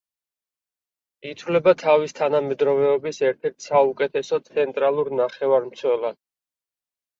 ითვლება თავის თანამედროვეობის ერთ-ერთ საუკეთესო ცენტრალურ ნახევარმცველად.